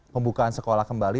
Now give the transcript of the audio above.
pembukaan sekolah kembali